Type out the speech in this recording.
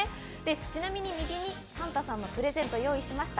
ちなみに右にサンタさんへのプレゼントを用意しました。